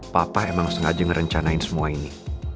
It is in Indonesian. papa emang sengaja ngerencanain semua ini